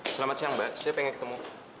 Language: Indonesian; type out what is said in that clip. selamat siang mbak saya pengen ketemu